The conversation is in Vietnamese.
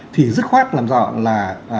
thì dứt khoát làm rõ là